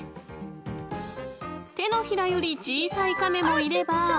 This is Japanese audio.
［手のひらより小さいカメもいれば］